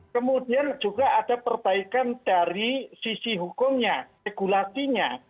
kemudian juga ada perbaikan dari sisi hukumnya regulasinya